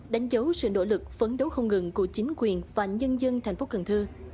đánh dấu sự nỗ lực phấn đấu không ngừng của chính quyền và nhân dân thành phố cần thơ